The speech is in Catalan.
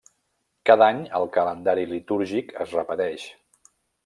Cada any el calendari litúrgic es repeteix.